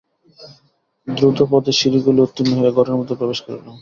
দ্রুতপদে সিঁড়িগুলি উত্তীর্ণ হইয়া ঘরের মধ্যে প্রবেশ করিলাম।